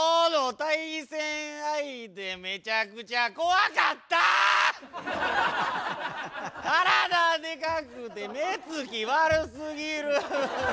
体でかくて目つき悪すぎる！